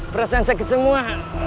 perasaan sakit semua